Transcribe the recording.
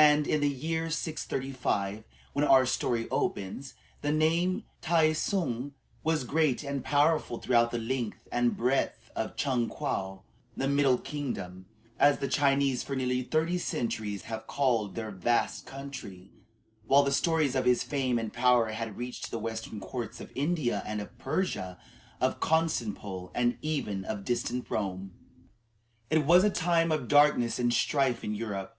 And in the year 635, when our story opens, the name of Tai tsung was great and powerful throughout the length and breadth of Chung Kwoh the "Middle Kingdom," as the Chinese for nearly thirty centuries have called their vast country while the stories of his fame and power had reached to the western courts of India and of Persia, of Constantinople, and even of distant Rome. It was a time of darkness and strife in Europe.